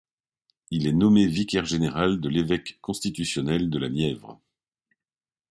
Il est nommé vicaire général de l'évêque constitutionnel de la Nièvre.